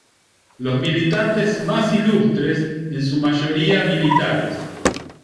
Los militantes más ilustres en su mayoría militares.